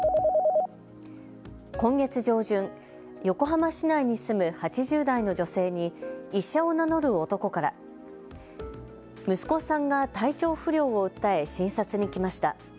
今月上旬、横浜市内に住む８０代の女性に医者を名乗る男から息子さんが体調不良を訴え診察に来ました。